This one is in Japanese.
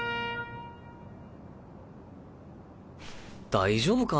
大丈夫か？